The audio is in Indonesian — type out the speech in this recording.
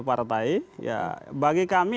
partai ya bagi kami